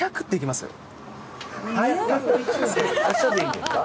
あしたでいいんですか？